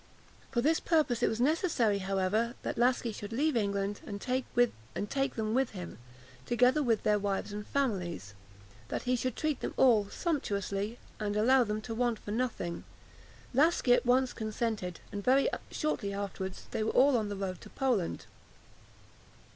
For this purpose it was necessary, however, that Laski should leave England, and take them with him, together with their wives and families; that he should treat them all sumptuously, and allow them to want for nothing. Laski at once consented; and very shortly afterwards they were all on the road to Poland.